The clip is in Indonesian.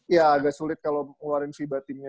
ya agak sulit kalo ngeluarin fiba timnya